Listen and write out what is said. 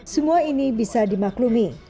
semua ini bisa dimaklumi